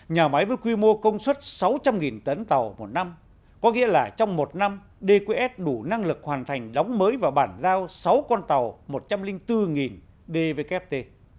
nhà máy với quy mô công suất sáu trăm linh tấn tàu một năm có nghĩa là trong một năm dqs đủ năng lực hoàn thành đóng mới và bản giao sáu con tàu một trăm linh bốn dvkt